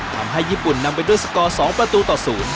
ทำให้ญี่ปุ่นนำไปด้วยสกอร์๒ประตูต่อ๐